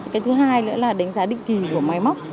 cái thứ hai nữa là đánh giá định kỳ của máy móc